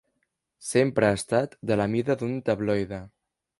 Sempre ha estat de la mida d'un tabloide.